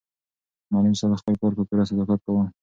معلم صاحب خپل کار په پوره صداقت کاوه.